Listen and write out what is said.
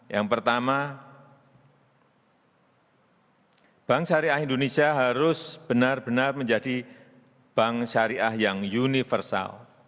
yang pertama bank syariah indonesia harus benar benar menjadi bank syariah yang universal